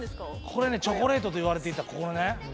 これねチョコレートといわれていたここのね。